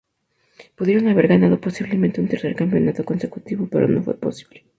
Pudieron haber ganado posiblemente un tercer campeonato consecutivo, pero no fue posible.